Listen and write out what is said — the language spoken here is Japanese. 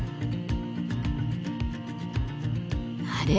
あれ？